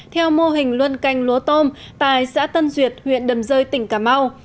theo mô hình luân canh lúa tôm tại xã tân duyệt huyện đầm rơi tỉnh cà mau